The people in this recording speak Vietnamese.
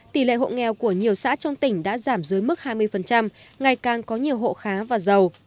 tỷ lệ hộ nghèo của nhiều xã trong tỉnh đã giảm dưới mức hai mươi ngày càng có nhiều hộ khá và giàu